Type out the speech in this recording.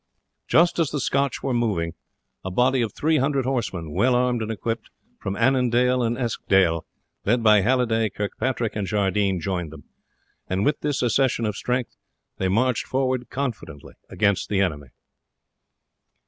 Just as the Scotch were moving, a body of 300 horsemen, well armed and equipped, from Annandale and Eskdale, led by Halliday, Kirkpatrick, and Jardine, joined them; and with this accession of strength they marched forward confidently against the enemy.